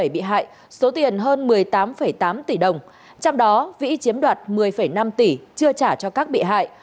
bảy bị hại số tiền hơn một mươi tám tám tỷ đồng trong đó vĩ chiếm đoạt một mươi năm tỷ chưa trả cho các bị hại